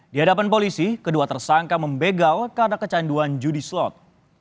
di hadapan polisi kedua tersangka membegal karena kecanduan judi slot